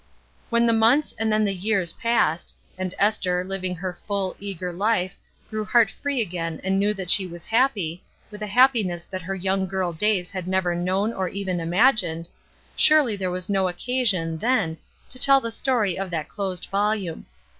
When the months and then the years passed, and Esther, living her full, eager life, grew heart free again and knew that she was happy, with WHY SHE "QXHT" 315 a happiness that her young girl days had never known or even imagined, surely there was no occasion, then, to tell the story of that closed volume.